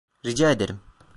Rica ederim.